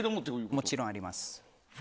もちろんあります。